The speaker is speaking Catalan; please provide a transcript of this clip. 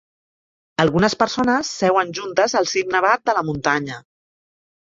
Algunes persones seuen juntes al cim nevat de la muntanya.